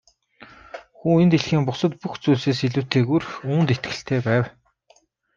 Хүү энэ дэлхийн бусад бүх зүйлсээс илүүтэйгээр үүнд итгэлтэй байв.